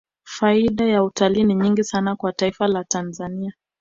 faida za utalii ni nyingi sana kwa taifa letu la tanzania